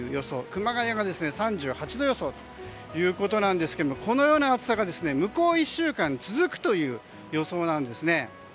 熊谷が３８度予想ということなんですがこのような暑さが向こう１週間続くという予想なんですね。